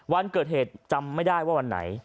วันเกิดเหตุจำไม่ได้ว่าวันไหน